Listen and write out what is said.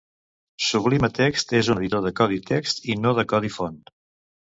Sublime Text és un editor de codi text i no de codi font.